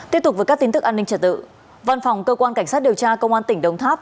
tiếp tục với các tin tức an ninh trật tự văn phòng cơ quan cảnh sát điều tra công an tỉnh đồng tháp